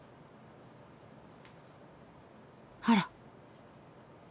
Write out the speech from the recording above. あら。